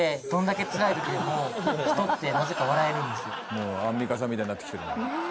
「もうアンミカさんみたいになってきてる」